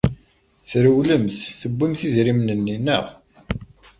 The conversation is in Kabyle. Trewlemt, tewwimt idrimen-nni, naɣ?